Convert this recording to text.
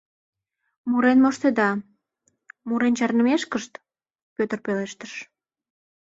— Мурен моштеда, — мурен чарнымекышт, Пӧтыр пелештыш.